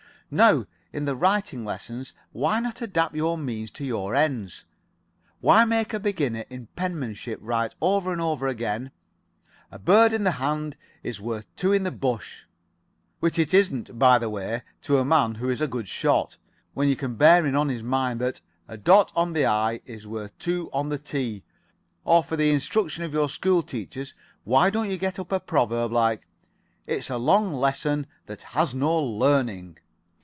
Now, in the writing lessons, why not adapt your means to your ends? Why make a beginner in penmanship write over and over again, 'A bird in the hand is worth two in the bush?' which it isn't, by the way, to a man who is a good shot when you can bear in on his mind that 'A dot on the I is worth two on the T'; or, for the instruction of your school teachers, why don't you get up a proverb like 'It's a long lesson that has no learning'?